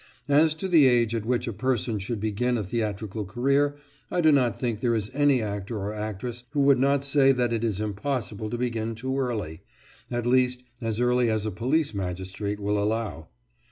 As to the age at which a person should begin a theatrical career, I do not think there is any actor or actress who would not say that it is impossible to begin too early at least, as early as a police magistrate will allow.